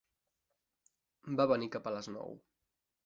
Va venir cap a les nou.